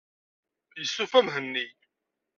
Yestufa Mhenni.